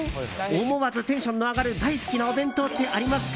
思わずテンションの上がる大好きなお弁当ってありますか？